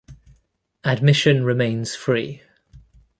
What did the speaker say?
Admission remains free.